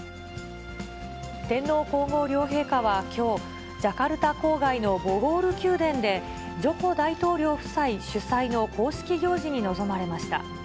天皇皇后両陛下はきょう、ジャカルタ郊外のボゴール宮殿で、ジョコ大統領夫妻主催の公式行事に臨まれました。